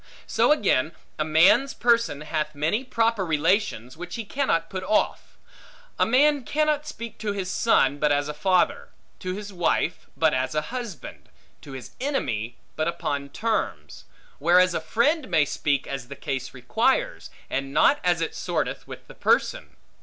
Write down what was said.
So again, a man's person hath many proper relations, which he cannot put off. A man cannot speak to his son but as a father; to his wife but as a husband; to his enemy but upon terms: whereas a friend may speak as the case requires, and not as it sorteth with the person.